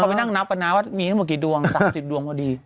ไปนั่งนับกันนะว่ามีทั้งหมดกี่ดวง๓๐ดวงพอดี